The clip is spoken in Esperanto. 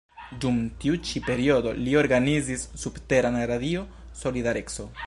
Dum tiu ĉi periodo li organizis subteran Radio Solidareco.